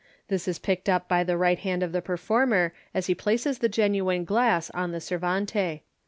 This is picked up by the right hand of the performer as he places the genuine glass on the servante.